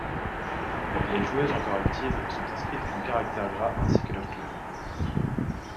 Les joueuses encore actives sont inscrites en caractères gras ainsi que leur club.